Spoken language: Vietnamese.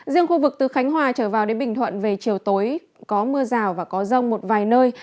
riêng khu vực từ khánh hòa trở vào đến bình thuận về chiều tối có mưa rào và có rông một vài nơi